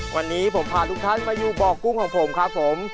วันนี้ผมพาทุกท่านมาอยู่บ่อกุ้งของผมครับผม